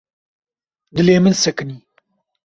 Dilê min sekinî.